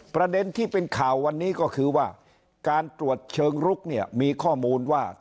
ประเด็นที่เป็นข่าววันนี้ก็คือว่าการตรวจเชิงลุกเนี่ยมีข้อมูลว่า